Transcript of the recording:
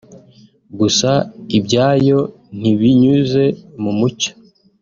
Gusa ibyayo ntibinyuze mu mucyo